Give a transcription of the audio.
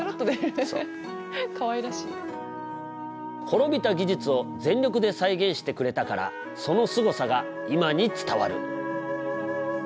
滅びた技術を全力で再現してくれたからそのすごさが今に伝わる。